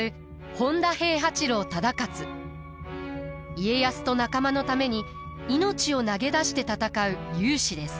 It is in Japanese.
家康と仲間のために命を投げ出して戦う勇士です。